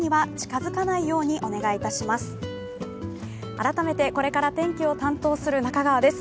改めて、これから天気を担当する中川です。